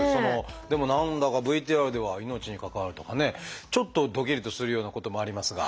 でも何だかＶＴＲでは「命に関わる」とかねちょっとドキリとするようなこともありますが。